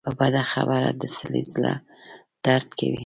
په بده خبره د سړي زړۀ دړد کوي